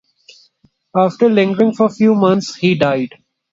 After lingering for a few months, he died.